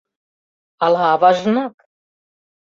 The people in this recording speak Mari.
Ала аважынак?..